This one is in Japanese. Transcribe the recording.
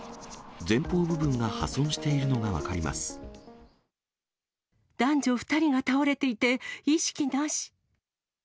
前方部分が破損しているのが分か男女２人が倒れていて、意識なし。